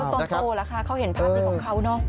ตอนโตแล้วค่ะเขาเห็นภาพนี้ของเขาเนาะ